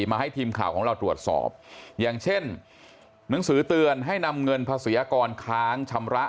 มาให้ทีมข่าวของเราตรวจสอบอย่างเช่นหนังสือเตือนให้นำเงินภาษีอากรค้างชำระ